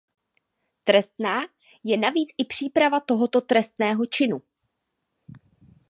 Trestná je navíc i jen příprava tohoto trestného činu.